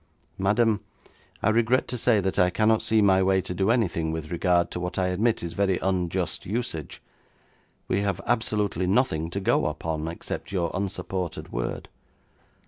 'Madam, I regret to say that I cannot see my way to do anything with regard to what I admit is very unjust usage. We have absolutely nothing to go upon except your unsupported word.